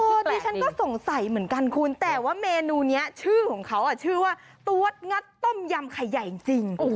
ดิฉันก็สงสัยเหมือนกันคุณแต่ว่าเมนูนี้ชื่อของเขาชื่อว่าตัวงัดต้มยำไข่ใหญ่จริง